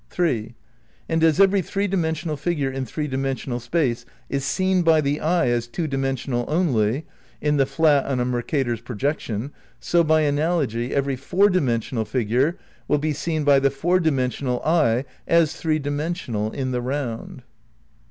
3. And as every three dimensional figure in three dimen sional space is seen by the eye as two dimensional only (in the flat on a Mereator's projection), so by analogy, every four dimensional figure will be seen by the four dimensional eye as three dimensional, in the round.